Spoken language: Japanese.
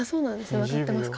ワタってますか。